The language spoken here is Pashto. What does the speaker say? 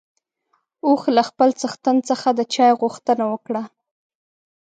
اوښ له خپل څښتن څخه د چای غوښتنه وکړه.